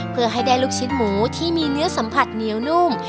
เพื่อให้ได้ลูกชิ้นหมูที่มีเนื้อสัมผัสเหนียวนุ่ม